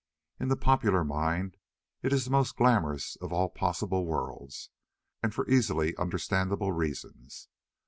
In the popular mind, it is the most glamorous of all possible worlds, and for easily understandable reasons.